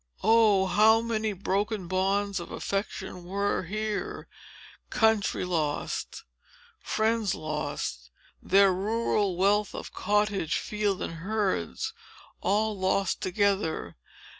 Oh, how many broken bonds of affection were here! Country lost!—friends lost!—their rural wealth of cottage, field, and herds, all lost together!